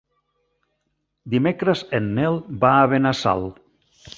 Dimecres en Nel va a Benassal.